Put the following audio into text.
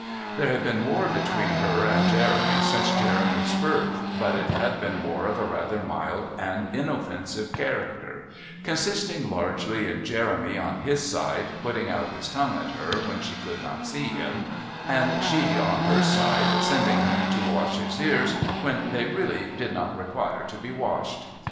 There had been war between her and Jeremy since Jeremy's birth, but it had been war of a rather mild and inoffensive character, consisting largely in Jeremy on his side putting out his tongue at her when she could not see him, and she on her side sending him to wash his ears when they really did not require to be washed.